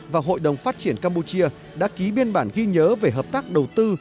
và hội đồng phát triển campuchia đã ký biên bản ghi nhớ về hợp tác đầu tư